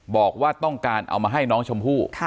บอกว่าต้องการเอามาให้น้องชมพู่